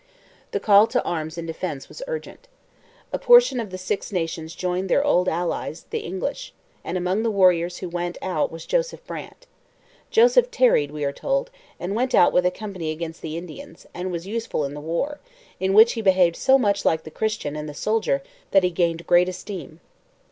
The call to arms in defence was urgent. A portion of the Six Nations joined their old allies, the English, and among the warriors who went out was Joseph Brant. 'Joseph tarried,' we are told, 'and went out with a company against the Indians, and was useful in the war, in which he behaved so much like the Christian and the soldier, that he gained great esteem.'